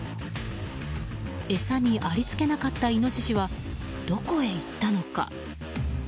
餌にありつけなかったイノシシはどこへ行ったのか。